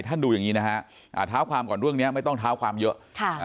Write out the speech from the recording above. ดูอย่างนี้นะฮะเท้าความก่อนเรื่องนี้ไม่ต้องเท้าความเยอะ